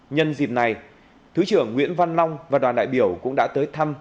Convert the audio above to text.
nhân dịp này thứ trưởng nguyễn văn long và đoàn đại biểu cũng đã tới thăm